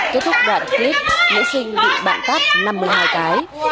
kết thúc đoạn clip nữ sinh bị bạn tát năm mươi hai cái